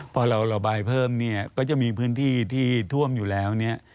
พอเราระบายเพิ่มเนี่ยก็จะมีพื้นที่ที่ท่วมอยู่แล้วเนี่ย